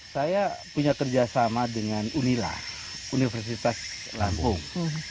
saya punya kerjasama dengan unila universitas lampung